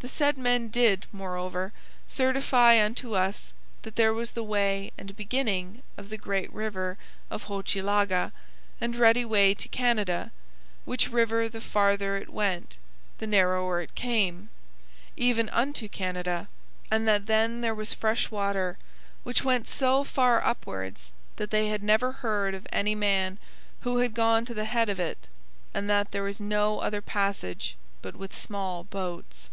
The said men did, moreover, certify unto us that there was the way and beginning of the great river of Hochelaga, and ready way to Canada, which river the farther it went the narrower it came, even unto Canada, and that then there was fresh water which went so far upwards that they had never heard of any man who had gone to the head of it, and that there is no other passage but with small boats.'